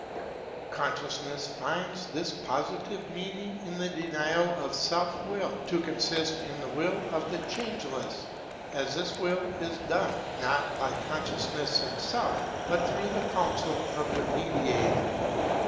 Con sciousness finds this positive meaning of the denial of self will to consist in the will of the Changeless, as this will is done, not 628 HEGEL by consciousness itself, but through the counsel of the Mediator.